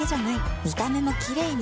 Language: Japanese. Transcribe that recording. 見た目もキレイに